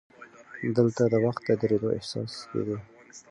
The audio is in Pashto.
دلته د وخت د درېدو احساس کېده.